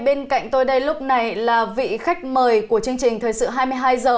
bên cạnh tôi đây lúc này là vị khách mời của chương trình thời sự hai mươi hai h